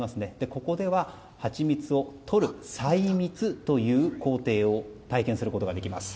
ここでは、ハチミツをとる採蜜という工程を体験することができます。